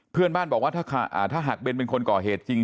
เพื่อนบ้านบอกว่าถ้าหากเบนเป็นคนก่อเหตุจริง